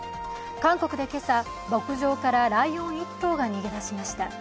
韓国で今朝、牧場からライオン１頭が逃げ出しました。